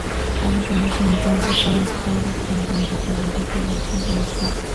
Hay un comercio intenso sobre todo con los municipios del sur del estado.